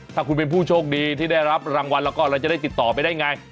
ถ้าคุณเป็นผู้โชคดีที่ได้รับรางวัลแล้วก็เราจะได้ติดต่อไปได้ไง